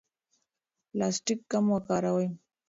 پلاستیک کم وکاروئ.